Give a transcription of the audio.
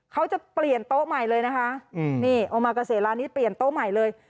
เขาจะเปลี่ยนโต๊ะใหม่เลยนะคะนี่เอามาเกษตรร้านนี้เปลี่ยนโต๊ะใหม่เลย